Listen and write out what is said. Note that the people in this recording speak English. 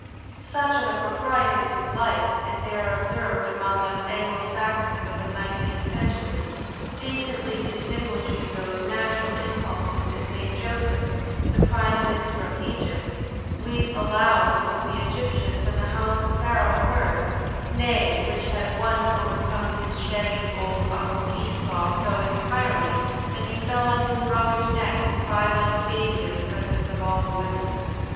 * "Such are the proprieties of life, as they are observed among us Anglo Saxons of the nineteenth century, decentiy disguising those natural impulses that made Joseph, the Prime Minister of Egypt, weep aloud so that the Egyp tians and the house of Pharaoh heard — nay, which had once overcome his shaggy old uncle Esau so entirely that he fell on his brother's neck and cried hke a baby in the presence of all the women.